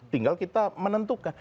tinggal kita menentukan